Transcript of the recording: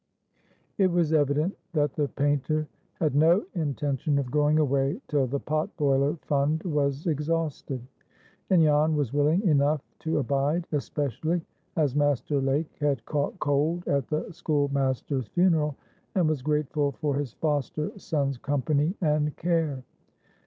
It was evident that the painter had no intention of going away till the pot boiler fund was exhausted, and Jan was willing enough to abide, especially as Master Lake had caught cold at the schoolmaster's funeral, and was grateful for his foster son's company and care.